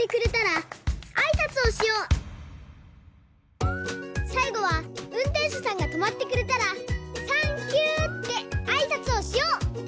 くるまがさいごはうんてんしゅさんがとまってくれたら「サンキュー！」ってあいさつをしよう！